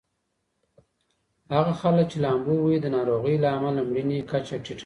هغه خلک چې لامبو وهي د ناروغۍ له امله مړینې کچه ټیټه لري.